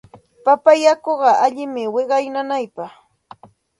Papa yaku allinmi wiqaw nanaypaq.